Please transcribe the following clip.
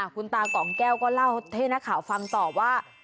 คุณตากล่องแก้วก็เล่าให้นักข่าวฟังต่อว่า